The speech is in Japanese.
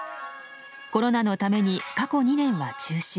コロナのために過去２年は中止。